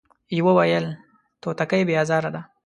يوه ويل توتکۍ بې ازاره ده ،